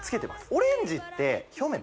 オレンジって表面